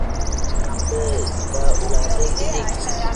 O`zimiz ham vaqtidaulardek edik